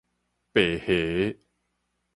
白蝦